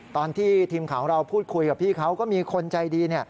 ตอนที่ทีมข่าวของเราพูดคุยกับพี่เขาก็มีคนใจดี